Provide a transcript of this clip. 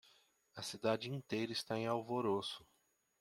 A cidade inteira está em alvoroço.